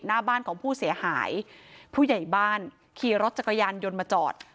หน้าบ้านของผู้เสียหายผู้ใหญ่บ้านขี่รถจักรยานยนต์มาจอด